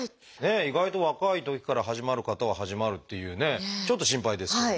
意外と若いときから始まる方は始まるっていうねちょっと心配ですが。